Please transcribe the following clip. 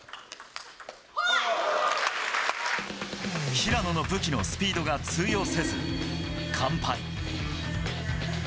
平野の武器のスピードが通用せず、完敗。